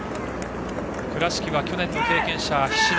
倉敷は去年の経験者の菱田。